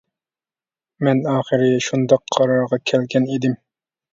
مەن ئاخىرى شۇنداق قارارغا كەلگەن ئىدىم.